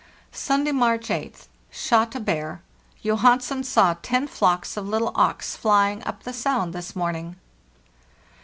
"Sunday, March 8th. Shot a bear. Johansen saw ten flocks of little auks flying up the sound this morning.